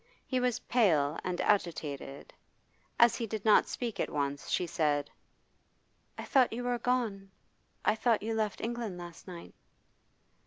He was pale and agitated. As he did not speak at once she said: 'I thought you were gone. I thought you left England last night.